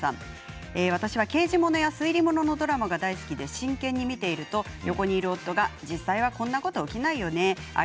私は刑事物や推理物のドラマが大好きで真剣に見ていると横にいる夫が実際はこんなことできないよね。